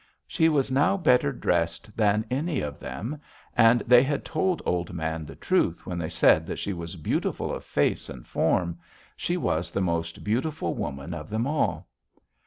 She was now better dressed than any of them, and they had told Old Man the truth when they said that she was beautiful of face and form: she was the most beautiful woman of them all.